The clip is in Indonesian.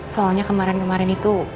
soalnya kemarin kemarin itu